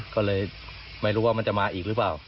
ก็เลยไม่รู้ว่ามันจะมาอีกหรือเปล่า